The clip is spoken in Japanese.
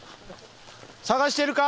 探してるか？